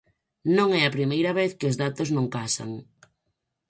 Non é a primeira vez que os datos non casan.